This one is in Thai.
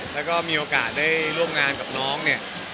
แล้วก็มีโอกาสได้ร่วมงานกับน้องเนี่ย